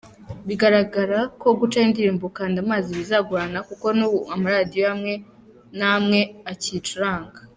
Bigaragara ko guca indirimbo Kanda Amazi bizagorana, kuko n’ubu amaradiyo amwe n’amweakiyicuranga.